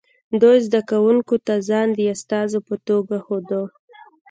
دوی زده کوونکو ته ځان د استازو په توګه ښوده